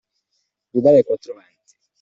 Gridare ai quattro venti.